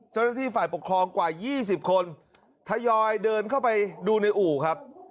เจ้าหน้าที่ฝ่ายปกครองกว่า๒๐คนทยอยเดินเข้าไปดูในอู่ครับ